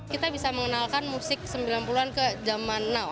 kita bisa mengenalkan musik sembilan puluh an ke zaman now